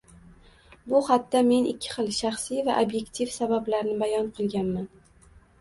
Bu xatda men ikki xil — shaxsiy va ob’ektiv sabablarni bayon qilganman